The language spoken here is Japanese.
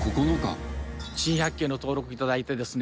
珍百景の登録頂いてですね